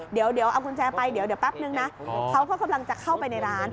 เดี๋ยวเอากุญแจไปเดี๋ยวแป๊บนึงนะเขาก็กำลังจะเข้าไปในร้าน